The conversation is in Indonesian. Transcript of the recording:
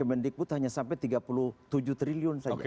kemendikbud hanya sampai tiga puluh tujuh triliun saja